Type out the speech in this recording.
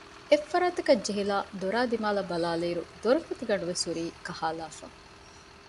އެއްފަރާތަކަށް ޖެހިލައި ދޮރާ ދިމާއަށް ބަލާލިއިރު ދޮރުފޮތި ގަނޑުވެސް ހުރީ ކަހައިލައިފަ